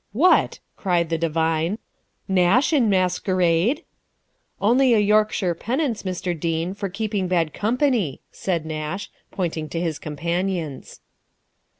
"What!" cried the divine, "Nash in masquerade?" "Only a Yorkshire penance, Mr. Dean, for keeping bad company," said Nash, pointing to his companions.